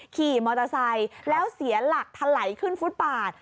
ขี่มอเตอร์ไซค์แล้วเสียหลักทะไหลขึ้นฟุตปาด